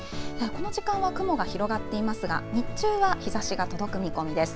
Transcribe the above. この時間は雲が広がっていますが、日中は日ざしが届く見込みです。